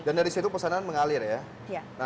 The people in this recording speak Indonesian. dan dari situ pesanan mengalir ya